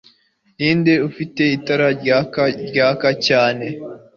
Ninde ufite itara ryaka ryaka cyane